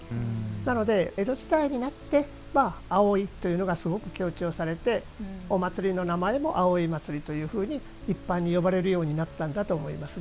なので、江戸時代になって葵というのがすごく強調されてお祭りの名前も葵祭というふうに一般に呼ばれるようになったんだと思いますね。